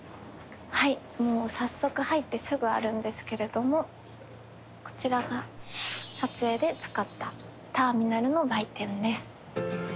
はいもう早速入ってすぐあるんですけれどもこちらが撮影で使ったターミナルの売店です。